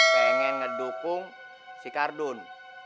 pengen ngedukung si kardun